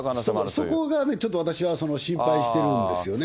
そこがちょっと私はね、心配してるんですよね。